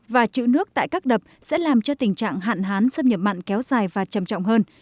và chữ nước tại các đập sẽ làm cho tình trạng hạn hán xâm nhập mặn kéo dài và trầm trọng hơn